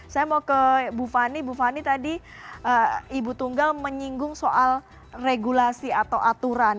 saya mau ke bu fani bu fani tadi ibu tunggal menyinggung soal regulasi atau aturan